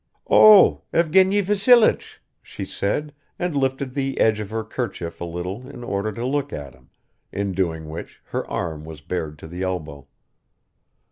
"Oh, Evgeny Vassilich!" she said and lifted the edge of her kerchief a little in order to look at him, in doing which her arm was bared to the elbow.